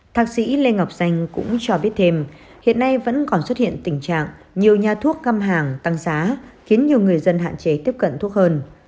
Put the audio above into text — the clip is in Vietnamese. thạc sĩ lê ngọc danh cũng cho biết thêm hiện nay vẫn còn xuất hiện tình trạng nhiều nhà thuốc găm hàng tăng giá khiến nhiều người dân hạn chế tiếp cận thuốc hơn